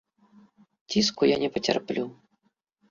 Ціску я не пацярплю.